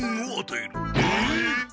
えっ！